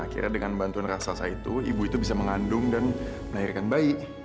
akhirnya dengan bantuan raksasa itu ibu itu bisa mengandung dan melahirkan bayi